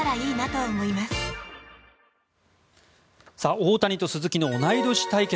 大谷と鈴木の同い年対決